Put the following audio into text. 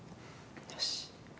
よし。